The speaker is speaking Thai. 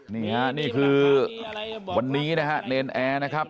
นี่ฮะนี่คือวันนี้นะฮะเนรนแอร์นะครับ